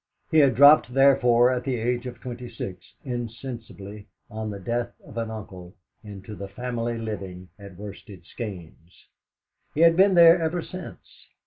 He had dropped, therefore, at the age of twenty six, insensibly, on the death of an uncle, into the family living at Worsted Skeynes. He had been there ever since.